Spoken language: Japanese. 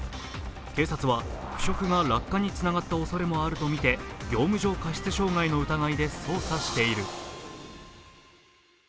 警察は腐食が落下につながったおそれもあるとみて、業務上過失傷害の疑いで捜査している。